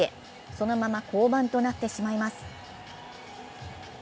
そのまま降板となってしまいます。